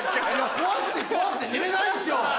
怖くて怖くて寝れないんですよ！